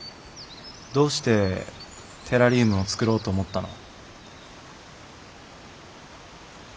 どうしてテラリウムを作ろうと思ったの？